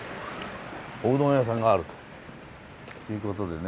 おうどん屋さんがあるということでね。